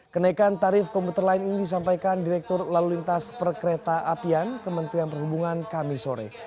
kenaikan tarif komputer lain ini disampaikan direktur lalu lintas perkereta apian kementerian perhubungan kamisore